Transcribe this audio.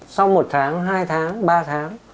sau một tháng hai tháng ba tháng